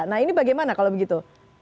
nah ini bagaimana kalau begitu